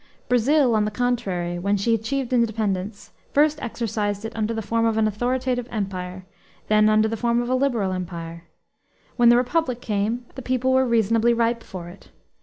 Brazil, on the contrary, when she achieved independence, first exercised it under the form of an authoritative empire, then under the form of a liberal empire. When the republic came, the people were reasonably ripe for it.